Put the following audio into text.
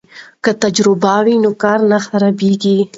که تجربه وي نو کار نه خرابېږي.